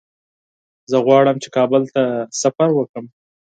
زه غواړم چې کابل ته سفر وکړم.